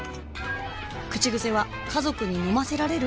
口癖は「家族に飲ませられる？」